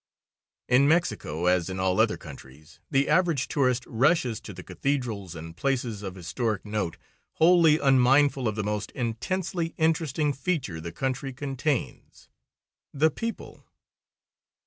In Mexico, as in all other countries, the average tourist rushes to the cathedrals and places of historic note, wholly unmindful of the most intensely interesting feature the country contains the people.